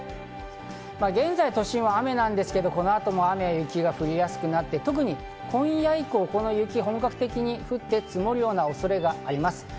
現在、都心は雨ですが、この後も雨や雪が降りやすくなって特に今夜以降、この雪が本格的に降って積もるような恐れがあります。